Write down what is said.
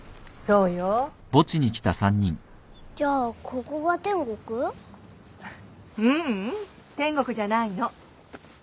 ううん天国じゃないの。